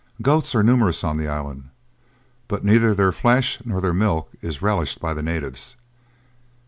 Goats are numerous on the island, but neither their flesh nor their milk is relished by the natives.